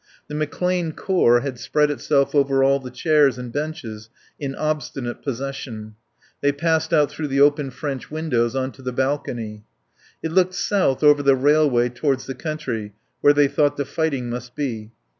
The McClane Corps had spread itself over all the chairs and benches, in obstinate possession. They passed out through the open French windows on to the balcony. It looked south over the railway towards the country where they thought the fighting must be.